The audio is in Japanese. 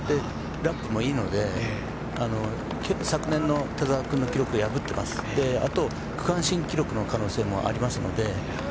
ラップもいいので昨年の田澤の記録を破っていますのであと、区間新記録の可能性もありますので。